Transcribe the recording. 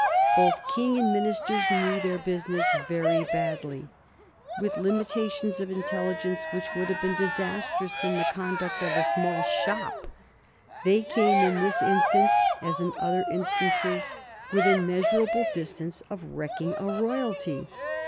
Both King and ministers knew their business very badly; with limitations of intelligence which would have been disastrous to the conduct of a small shop, they came in this instance, as in other instances, within measurable distance of wrecking a royalty.